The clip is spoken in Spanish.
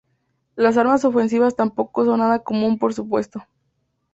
Las armas ofensivas tampoco son nada común por supuesto.